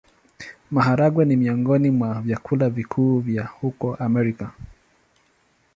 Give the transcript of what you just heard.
Maharagwe ni miongoni mwa vyakula vikuu vya huko Amerika.